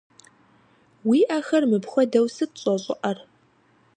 Уи ӏэхэр мыпхуэдэу сыт щӏэщӏыӏэр?